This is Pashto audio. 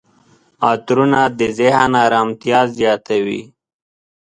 عطرونه د ذهن آرامتیا زیاتوي.